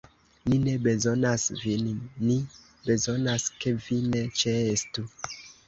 Ni ne bezonas vin; ni bezonas, ke vi ne ĉeestu.